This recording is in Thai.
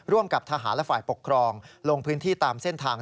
กับทหารและฝ่ายปกครองลงพื้นที่ตามเส้นทาง